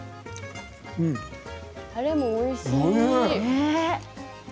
たれもおいしい。